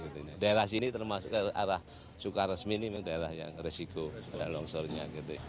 daerah sini termasuk arah sukar resmi ini adalah yang resiko longsornya